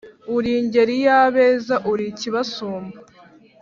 Uri ingeri y'abeza uri ikibasumba